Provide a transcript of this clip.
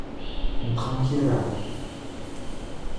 On trinquait à la ronde.